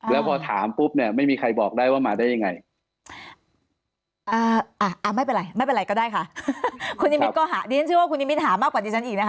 แล้วพอถามปุ๊บไม่มีใครบอกได้ว่ามาได้ยังไง